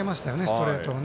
ストレートを。